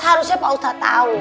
harusnya pak ustadz tau